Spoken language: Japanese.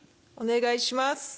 お願いします。